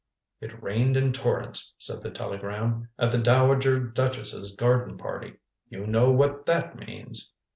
"It rained in torrents," said the telegram, "at the dowager duchess's garden party. You know what that means."